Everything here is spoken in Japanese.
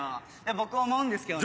僕思うんですけどね。